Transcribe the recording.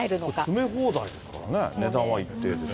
詰め放題ですからね、値段は一定ですね。